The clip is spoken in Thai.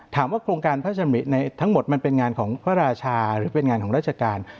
โครงการพระชำริในทั้งหมดมันเป็นงานของพระราชาหรือเป็นงานของราชการ